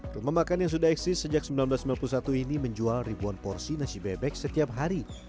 rumah makan yang sudah eksis sejak seribu sembilan ratus sembilan puluh satu ini menjual ribuan porsi nasi bebek setiap hari